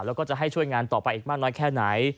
แล้วก็จะให้ช่วยงานต่อไปอีกมากน้อยแค่ไหน